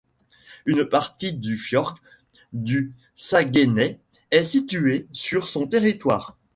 Une partie du Fjord du Saguenay est située sur son territoire.